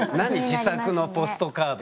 自作のポストカードって。